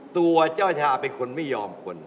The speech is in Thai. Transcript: ตัวเจ้าชาเป็นคนไม่ยอมคน